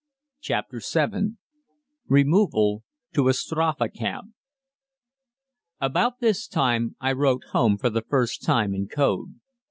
CHAPTER VII REMOVAL TO A STRAFE CAMP About this time I wrote home for the first time in code.